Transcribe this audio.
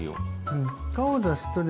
顔を出すとね